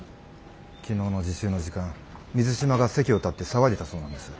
昨日の自習の時間水島が席を立って騒いでたそうなんです。